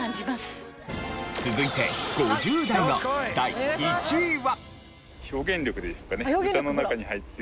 続いて５０代の第１位は？